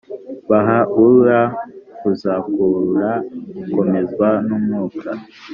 baha u llah kuzakurura gukomezwa n umwuka